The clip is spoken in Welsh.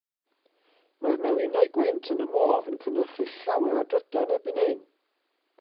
Mae'r melinau gwynt yn y môr yn cynhyrchu llawer o drydan erbyn hyn.